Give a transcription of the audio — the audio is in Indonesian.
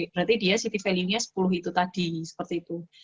berarti dia city value nya sepuluh itu tadi seperti itu